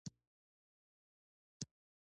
د ټوخي لپاره د ادرک اوبه وڅښئ